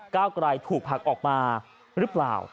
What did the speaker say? ก้าวไกลถูกผลักออกมาหรือเปล่า